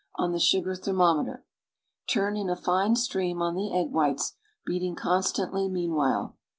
on the sugar thermometer; turn in a fine stream on the egg whites, beating constantly meanwhile.